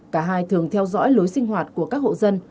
cả hai thường theo dõi lối sinh hoạt của các hộ dân